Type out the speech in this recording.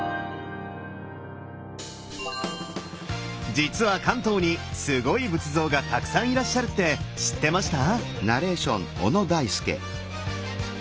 実は関東にすごい仏像がたくさんいらっしゃるって知ってました？